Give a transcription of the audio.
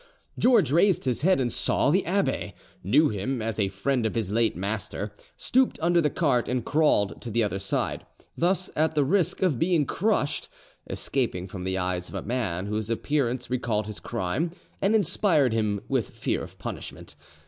George raised his head and saw the abbe, knew him as a friend of his late master, stooped under the cart and crawled to the other side, thus at the risk of being crushed escaping from the eyes of a man whose appearance recalled his crime and inspired him with fear of punishment.